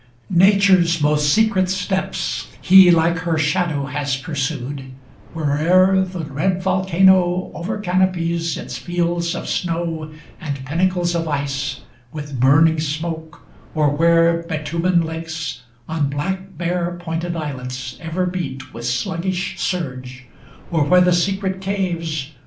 Nature's most secret steps He like her shadow has pursued, where'er The red volcano overcanopies Its fields of snow and pinnacles of ice With burning smoke, or where bitumen lakes On black bare pointed islets ever beat With sluggish surge, or where the secret caves.